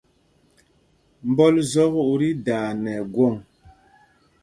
Mbɔl zɔk ú tí daa nɛ ɛgwɔŋ.